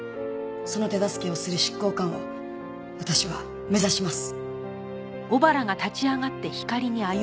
その手助けをする執行官を私は目指します。